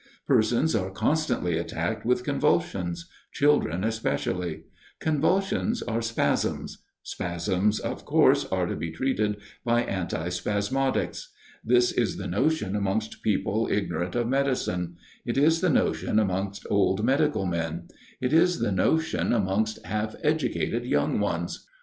Persons are constantly attacked with convulsions children especially; convulsions are spasms: spasms, of course, are to be treated by antispasmodics. This is the notion amongst people ignorant of medicine: it is the notion amongst old medical men: it is the notion amongst half educated young ones.